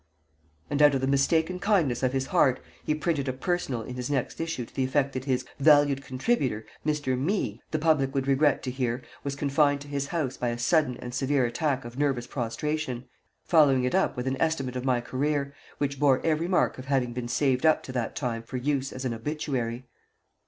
And out of the mistaken kindness of his heart, he printed a personal in his next issue to the effect that his "valued contributor, Mr. Me, the public would regret to hear, was confined to his house by a sudden and severe attack of nervous prostration," following it up with an estimate of my career, which bore every mark of having been saved up to that time for use as an obituary.